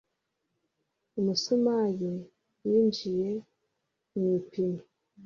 Umusumari winjiye mu ipine.